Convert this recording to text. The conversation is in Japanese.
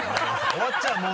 終わっちゃう！